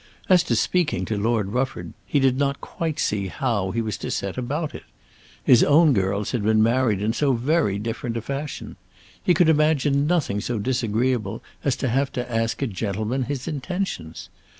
As to speaking to Lord Rufford, he did not quite see how he was to set about it. His own girls had been married in so very different a fashion! He could imagine nothing so disagreeable as to have to ask a gentleman his intentions.